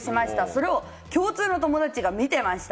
それを共通の友達が見てました。